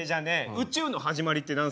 宇宙の始まりって何ですか？